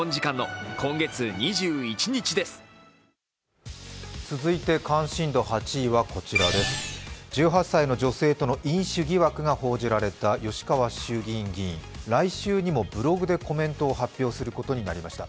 １８歳の女性との飲酒疑惑が報じられた吉川衆議院議員来週にも、ブログでコメントを発表することになりました。